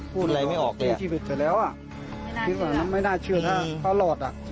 พูดอะไรไม่ออกเลยชีวิตเสร็จแล้วอ่ะไม่น่าเชื่อไม่น่าเชื่อถ้าเขารอดอ่ะ